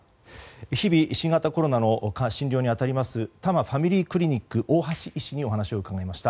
日々新型コロナの診療に当たります多摩ファミリークリニック大橋医師にお話を伺いました。